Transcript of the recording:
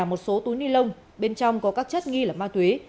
một số túi ni lông bên trong có các chất nghi là ma túy